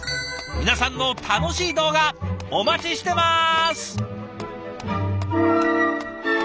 皆さんの楽しい動画お待ちしてます！